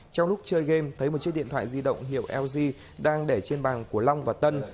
trong lúc chơi game thấy một chiếc điện thoại di động hiệu lg đang để trên bàn của long và tân